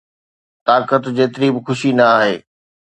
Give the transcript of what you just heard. طاقت 'جيتري به خوشي نه آهي